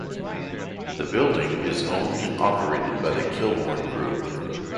The building is owned and operated by the Kilbourne Group.